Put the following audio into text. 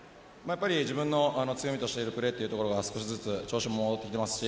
自分の強みとしているプレーが少しずつ調子も戻ってきていますし。